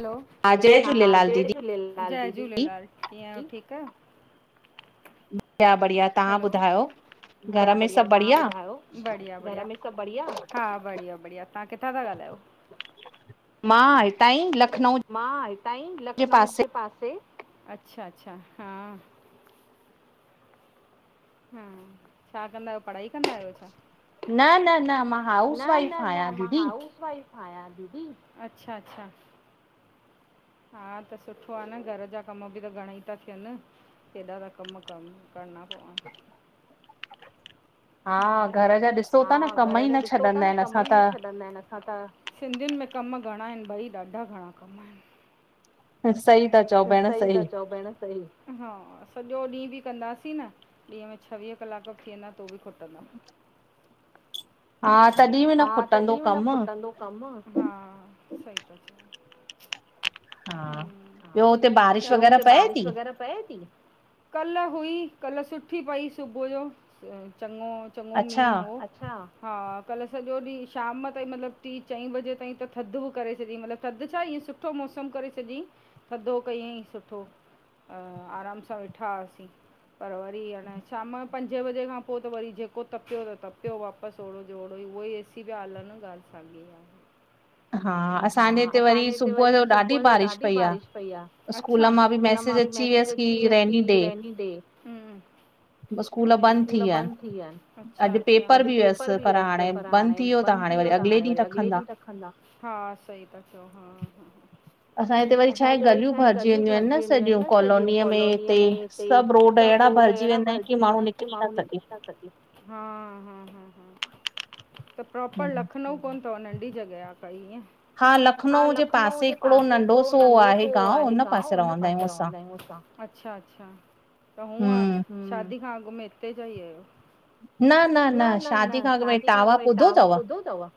हलो! हा जय झूलेलाल दीदी, जय झूलेलाल! कीअं आयो ठीक आयो? हलो, ॿया बढ़िया, तहां ॿुधायो? बढ़िया। घर में सभ बड़िया? हा बढ़िया बढ़िया, तहां किथां ता ॻाल्हायो? मां इतांईं, लखनऊ। मां इताईं, लखनऊ जे पासे, अच्छा अच्छा, हा! हा, छा कंदा आयो, पढ़ाई कंदा आयो छा? न न न, मां न न न, मां हाउस वाइफ आयां दीदी, अच्छा अच्छा। हा, त सुठो आ न, घर जा कम बि त घणेई ता थियन, केॾा ता कम कर करणा पवन। हूं, हा, घर जा ॾिसो ता न कम ई न छॾंदा एन, असां त सिंधयुन में, कम घणा एन भई, ॾाढा घणा कम एन। त, सही तख चओ भेण सही। हा सॼो ॾींह बि कंदासीं न, ॾींहं में छवीह कलाक बि थी वेंदा, तो बि खुटंदा। हा, तॾी बि हा, तॾी बि न खुटंदो कम, हा, सई ता चओ। हूं, हां, ॿयो उते बारिश वगैरा पए ती, कल हुई, कल सुठी पई सुबूह जो, चंङो चङो मींह हो, अच्छा, हा कल सॼो ॾींह शाम ताईं मतिलब, टी चईं बजे ताईं त थधबि करे छॾ्यईं, मतलब थध छा ईंएं सु सुठो मौसम करे छॾयंईं, थधो कयईं, सुठो। अ-आराम सां वेठाहासीं। पर वरी, हन शाम पंजे बजे खां पो त वरी जेको तप्यो त तप्यो वापस ओड़ो जो ओढ़ो, उओई ए, सी प्या हलन, ॻाल साॻी आ। हा, असांजे हिते वरी सुभूअ जो ॾाढी बारिश पई आ। अच्छा, स्कूल मां बि मैसेज अची व्यस कि रेनी डे। उस्कूल बंद थी वियाएन, अच्छा अच्छा, अॼ पेपर बि हुयस। त पर हाणे बंद थी व्यो त, हाणे वरी अॻले ॾींह रखंदा। हा, सई ता चओ, हा हा असांजे हिते वरी छाहे, गलियूं भरजी वेंदियूं आइन न सॼियूं, कॉलोनीअ में सब रोड एड़ा भरजी वेंदा आइन कि माणु निकरी न सघे। हा, हा हा हा हा हा। पर प्रोपर लखनऊ कोन थव, नंढी जॻह आ काई ईअं? हा लखनऊ जे पासे हिकड़ो नंढो सो आहे गांव, हुन पासे रवंदा आयूं असां। अच्छा अच्छा, त हुअं, शादी खां अॻुमें हिते जा ई आयो? न न न, शादी खां अॻ में इटावा ॿुधो थव?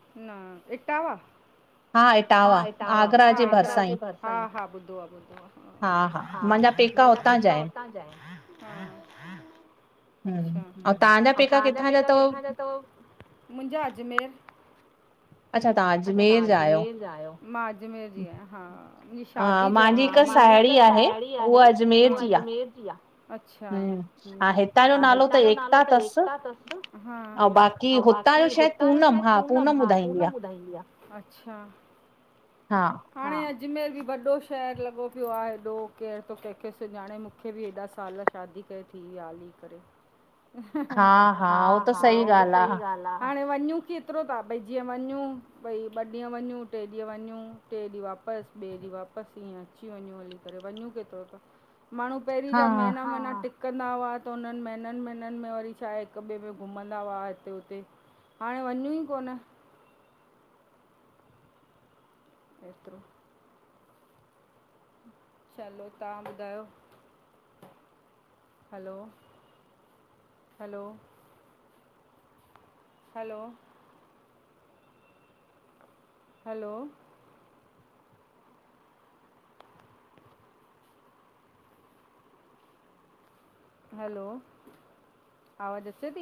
हा इटावा, आगरा जे बरसां ई। हा, मांजा पेका हुतां जा आइन, हा अच्छा। हम्म, अऊ तांजा पेका कित्थां जा थव? मुंजा, अजमेर। अछा तां अजमेर जा आयो। मां अजमेर जी आयां, हा। शादी जयपुर थी हुई। मांजि हिक सायड़ी आहे उआ अजमेर जी आ। अच्छा हम्म, आं हितां जो नालो त एकता थस। हा, औ बा कि हुतां जो शायद पूनम, हा पूनम ॿुधाईंदी आ। हा हाणे अजमेर बि वॾो शहर लॻो प्यो आ हेॾो, केर तो केंखे सुञाणे मुखे बि हेॾा साल शादी कए थी विया हली करे। हा हा, हो त सही ॻाल आ। हाणे वञूं केतरो ता, भई जीअं वञूं, भई ॿ ॾींअ वञूं, टे ॾींअ वञूं टे ॾीं वापस, ॿे ॾीं वापस, ईंअ अची वञूं हली करे, वञूं केतरो ता। माणू पेंहरी जा, महिना महिना टिक कंदा हुआ त हुनन महिनन- महिनन में वरी छाए, हिक ॿे में घुमंदा हुआ हिते हुते। हाणे वञूं ई कोन एतरो। चलो, तां ॿुधायो? Hello, hello. Hello? Hello hello, आवाज अचे ती?